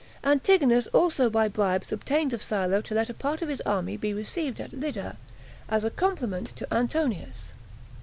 Antigonus also by bribes obtained of Silo to let a part of his army be received at Lydda, as a compliment to Antonius.